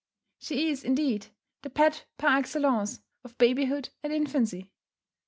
She is, indeed, the pet par excellence of babyhood and infancy.